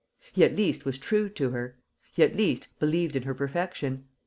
He, at least, was true to her; he, at least, believed in her perfection.